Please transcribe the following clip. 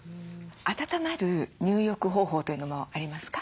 温まる入浴方法というのもありますか？